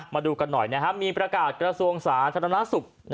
มาดูกันหน่อยนะครับมีประกาศกระทรวงศาสนธนศุกร์